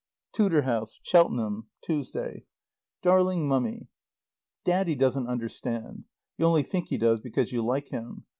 TUDOR HOUSE. CHELTENHAM, Tuesday. DARLING MUMMY: Daddy doesn't understand. You only think he does because you like him.